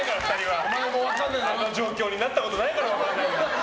その状況になったことないから分からないんだよ。